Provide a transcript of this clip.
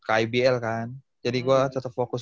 kbl kan jadi gue tetep fokus